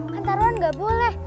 kan taruhan ga boleh